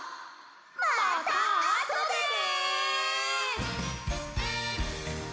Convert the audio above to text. またあとでね！